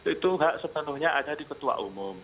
itu hak sepenuhnya ada di ketua umum